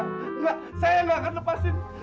enggak saya nggak akan lepasin